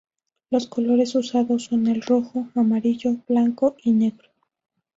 Los colores usados son el rojo, amarillo, blanco y negro.